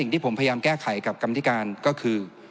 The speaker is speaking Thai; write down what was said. ที่ผมพยายามแก้ไขกับกรรมธิการก็คือ